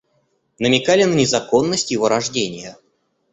Намекали на незаконность его рождения.